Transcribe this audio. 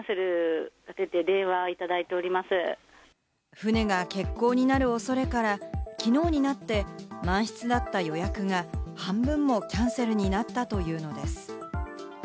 船が欠航になる恐れからきのうになって満室だった予約が半分もキャンセルになったというのです。